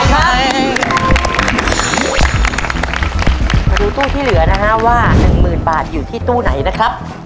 มาดูตู้ที่เหลือนะฮะว่า๑๐๐๐บาทอยู่ที่ตู้ไหนนะครับ